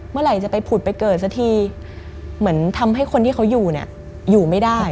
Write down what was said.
เมื่อไหร่จะไปผุดไปเกิดสักทีเหมือนทำให้คนที่เขาอยู่เนี่ยอยู่ไม่ได้